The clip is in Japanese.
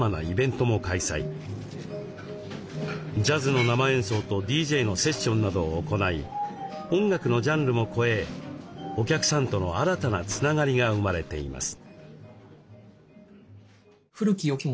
ジャズの生演奏とＤＪのセッションなどを行い音楽のジャンルも超えお客さんとの新たなつながりが生まれています。